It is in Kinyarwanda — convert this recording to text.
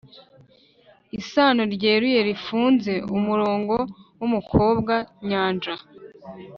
isaro ryeruye, rifunze, umurongo wumukobwa-nyanja